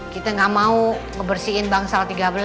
kita gak mau ngebersihin bangsa tiga belas